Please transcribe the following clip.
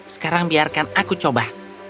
sekarang biarkan aku coba